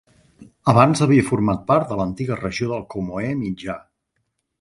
Abans havia format part de l'antiga regió del Comoé Mitjà.